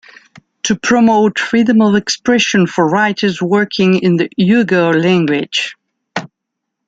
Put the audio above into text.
To promote freedom of expression for writers working in the Uyghur language.